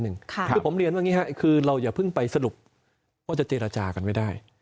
คือผมเรียนว่าอย่าเพิ่งไปสรุปว่าจะเจรจากันไม่ได้